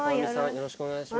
よろしくお願いします。